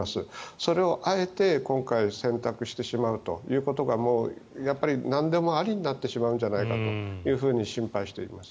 それをあえて、今回選択してしまうということがもうやっぱり、なんでもありになってしまうんじゃないかと心配しています。